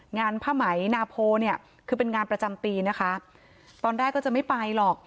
ผ้าไหมนาโพเนี่ยคือเป็นงานประจำปีนะคะตอนแรกก็จะไม่ไปหรอก